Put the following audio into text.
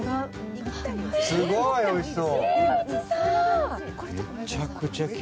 すごいおいしそう。